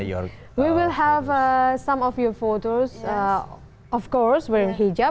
kita akan memiliki beberapa foto anda tentu saja memakai hijab